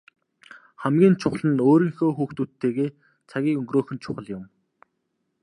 Хамгийн чухал нь өөрийнхөө хүүхдүүдтэйгээ цагийг өнгөрөөх нь чухал юм.